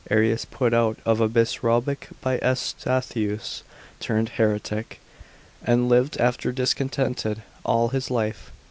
Arius put out of a bishopric by Eustathius, turned heretic, and lived after discontented all his life.